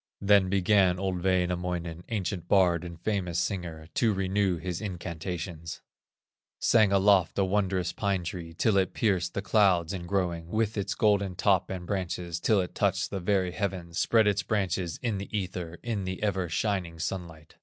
Then began old Wainamoinen, Ancient bard and famous singer, To renew his incantations; Sang aloft a wondrous pine tree, Till it pierced the clouds in growing With its golden top and branches, Till it touched the very heavens, Spread its branches in the ether, In the ever shining sunlight.